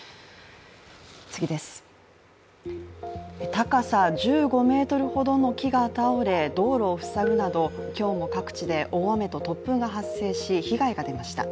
高さ１５ｍほどの木が倒れ、道路を塞ぐなど今日も各地で大雨と突風が発生し被害が出ました。